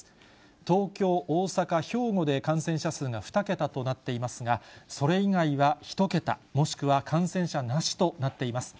東京、大阪、兵庫で感染者数が２桁となっていますが、それ以外は１桁、もしくは感染者なしとなっています。